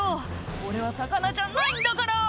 「俺は魚じゃないんだから！」